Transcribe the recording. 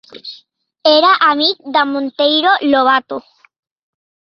Era amic de Monteiro Lobato.